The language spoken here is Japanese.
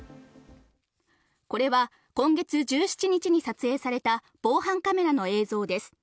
これは今月１７日に撮影された防犯カメラの映像です。